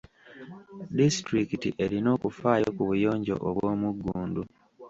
Disitulikiti erina okufaayo ku buyonjo obw'omugundu.